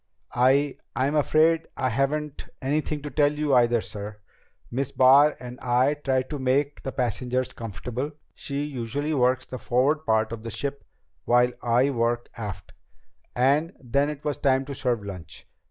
"I I'm afraid I haven't anything to tell you either, sir. Miss Barr and I tried to make the passengers comfortable she usually works the forward part of the ship while I work aft and then it was time to serve lunch.